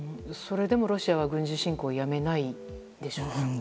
それでもロシアは軍事侵攻をやめないんでしょうか。